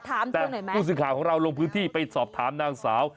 ถามซึ่งหน่อยไหมแต่รุ่นสินค้าของเราลงพื้นที่ไปสอบถามนางสาว